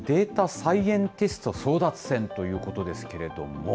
サイエンティスト争奪戦ということですけれども。